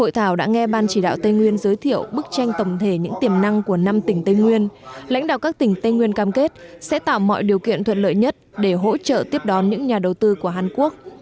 hội thảo đã nghe ban chỉ đạo tây nguyên giới thiệu bức tranh tổng thể những tiềm năng của năm tỉnh tây nguyên lãnh đạo các tỉnh tây nguyên cam kết sẽ tạo mọi điều kiện thuận lợi nhất để hỗ trợ tiếp đón những nhà đầu tư của hàn quốc